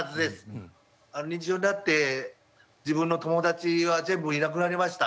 認知症になって自分の友達は全部いなくなりました。